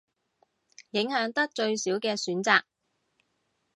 影響得最少嘅選擇